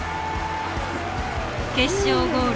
決勝ゴール。